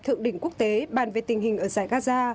thượng đỉnh quốc tế bàn về tình hình ở giải gaza